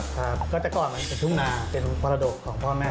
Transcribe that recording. ครับก็แต่ก่อนมันเป็นทุ่งนาเป็นมรดกของพ่อแม่